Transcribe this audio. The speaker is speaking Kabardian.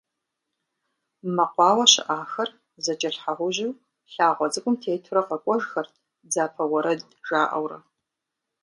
Мэкъуауэ щыӏахэр зэкӏэлъхьэужьу лъагъуэ цӏыкӏум тетурэ къэкӏуэжхэрт дзапэ уэрэд жаӏэурэ.